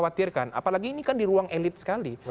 apalagi ini kan di ruang elit sekali